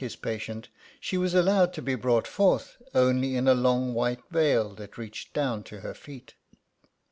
685 his patient, she was allowed to be brought forth only in a long white veil, that reached down to her feet.